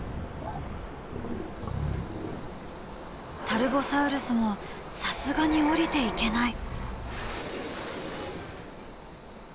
タルボサウルスもさすがに下りていけない。